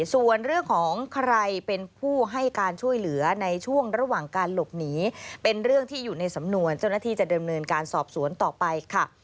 ส่วนเรื่องของใครเป็นผู้ให้การช่วยเหลือในช่วงระหว่างการหลบหนีเป็นเรื่องที่อยู่ในสำนวนเจ้าหน้าที่จะเดิมเนินการสอบสวนต่อไปค่ะ